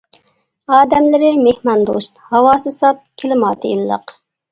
ئادەملىرى مېھماندوست، ھاۋاسى ساپ، كىلىماتى ئىللىق.